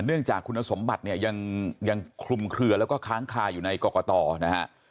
เนื่องจากคุณสมบัติเนี่ยยังคลุมเคลือแล้วก็ค้างคาอยู่ในกรกตนะฮะ